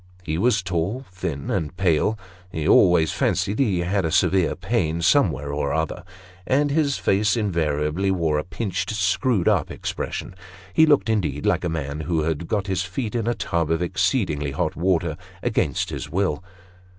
He was tall, thin, and pale; he always fancied he had a severe pain somewhere or other, and his face invariably wore a pinched, screwed up expression; he looked, indeed, like a man who had got his feet in a tub of exceedingly hot water, against his will.